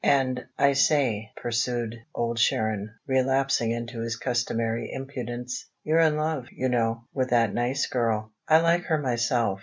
And, I say," pursued Old Sharon, relapsing into his customary impudence, "you're in love, you know, with that nice girl. I like her myself.